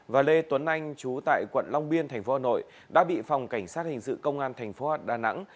và lê tuấn anh chú tại quận long biên thành phố hà nội đã bị phòng cảnh sát hình sự công an thành phố đà nẵng